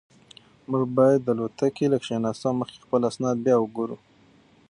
موږ باید د الوتکې له کښېناستو مخکې خپل اسناد بیا وګورو.